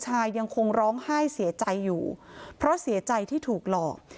ยังคงร้องไห้เสียใจอยู่เพราะเสียใจที่ถูกหลอก